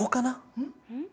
うん？